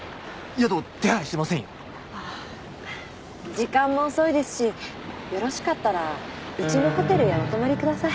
時間も遅いですしよろしかったらうちのホテルへお泊まりください。